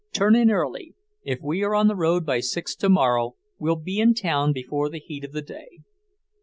Turn in early. If we are on the road by six tomorrow, we'll be in town before the heat of the day."